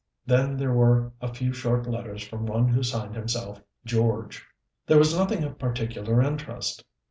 Then there were a few short letters from one who signed himself "George." There was nothing of particular interest.